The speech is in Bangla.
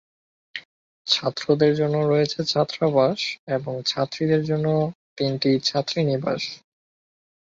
ছাত্রদের জন্য রয়েছে ছাত্রাবাস এবং ছাত্রীদের জন্য তিনটি ছাত্রীনিবাস।